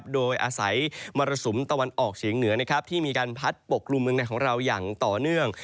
โดยอาศัยมรสุมตะวันออกเฉียงเหนือที่มีการพัดปกกลุ่มเมืองในของเราอย่างต่อเนื่อง